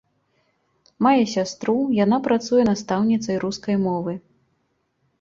Мае сястру, яна працуе настаўніцай рускай мовы.